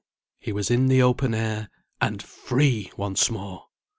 He was in the open air, and free once more!